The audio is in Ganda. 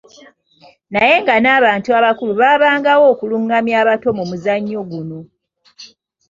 Naye nga n’abantu abakulu baabangawo okulungamya abato mu muzannyo guno.